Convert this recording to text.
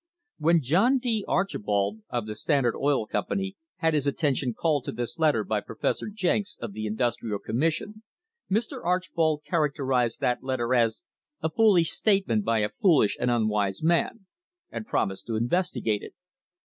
When John D. Archbold, of the Standard Oil Com pany, had his attention called to this letter by Professor Jenks, of the Industrial Commission, Mr. Archbold characterised the letter as "a foolish statement by a foolish and unwise man" and promised to investigate it.